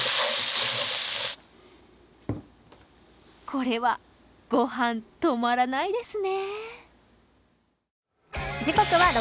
これはごはん、止まらないですね